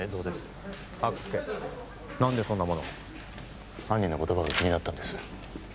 何でそんなものを犯人の言葉が気になったんです